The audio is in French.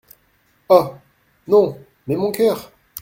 Oh ! non, mais mon cœur !…